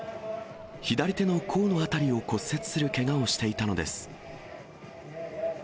左手の甲のあたりを骨折するけがをしていたのです。